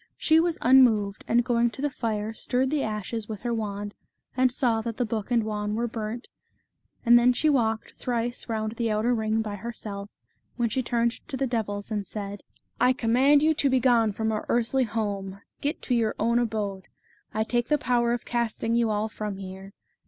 She was unmoved, and going to the fire, stirred the ashes with her wand, and saw that the book and wand were burnt, and then she walked thrice round the outer ring by herself, when she turned to the devils, and said :" I command you to be gone from our earthly home, get to your own abode. I take the power of casting you all from here.